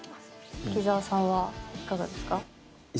秋澤さんはいかがですか？